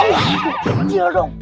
itu kecil dong